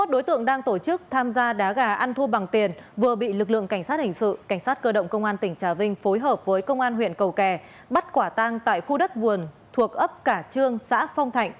hai mươi đối tượng đang tổ chức tham gia đá gà ăn thua bằng tiền vừa bị lực lượng cảnh sát hình sự cảnh sát cơ động công an tỉnh trà vinh phối hợp với công an huyện cầu kè bắt quả tang tại khu đất vườn thuộc ấp cả trương xã phong thạnh